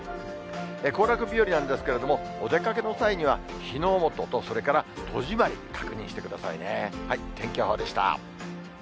行楽日和なんですけれども、お出かけの際には、火の元と、それから戸締まり、確認してくださいね。